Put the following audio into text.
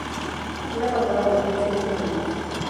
Una patada de Pecho no se permite.